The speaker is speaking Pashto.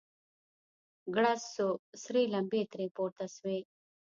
ګړز سو سرې لمبې ترې پورته سوې.